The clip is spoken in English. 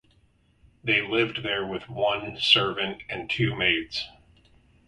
They lived there with one servant and two maids.